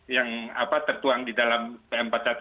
yang tertuang di dalam pm empat puluh satu